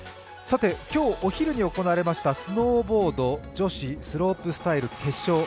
今日お昼に行われましたスノーボード女子スロープスタイル決勝